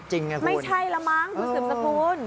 ไม่ใช่ล่ะมั้งผู้ชมนะคุณ